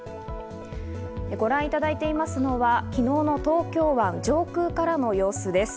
ご覧いただいていますのは、昨日の東京湾上空からの様子です。